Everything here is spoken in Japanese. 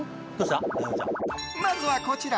まずはこちら。